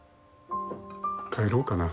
帰ろうかな。